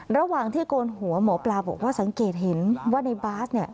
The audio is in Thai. ระหว่างที่โกนหัวหมอปลาบอกว่าสังเกตเห็นว่าในบาสเนี่ย